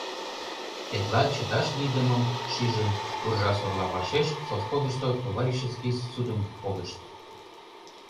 Тетла чыташ лийдымым шижын, уржа-сорла вашеш совхозышто товарищеский судым погышт.